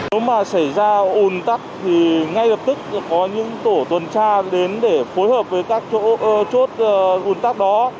nếu mà xảy ra ồn tắc thì ngay lập tức có những tổ tuần tra đến để phối hợp với các chỗ chốt un tắc đó